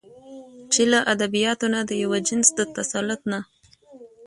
چې له ادبياتو نه د يوه جنس د تسلط نه